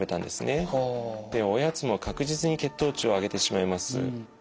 でおやつも確実に血糖値を上げてしまいます。